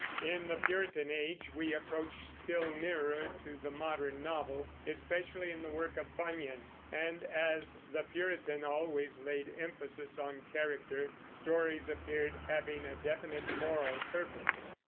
In the Puritan Age we approach still nearer to the modern novel, especially in the work of Bunyan; and as the Puritan always laid emphasis on character, stories appeared having a definite moral purpose.